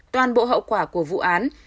toàn bộ hậu quả của vụ án